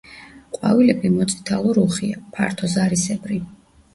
ყვავილები მოწითალო რუხია, ფართო ზარისებრი.